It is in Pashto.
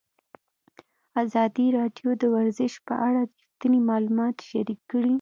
ازادي راډیو د ورزش په اړه رښتیني معلومات شریک کړي.